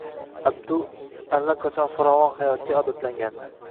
Abdu allaqachon farovon hayotga odatlangandi